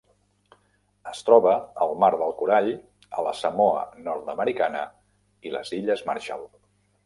Es troba al Mar del Corall, a la Samoa Nord-americana i les Illes Marshall.